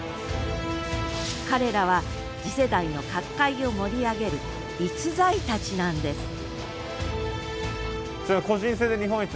彼らは次世代の角界を盛り上げる逸材たちなんですおお。